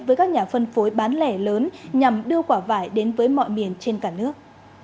với các nhà phân phối bán lẻ lớn nhằm đưa quả vải đến với mọi miền trên cả nước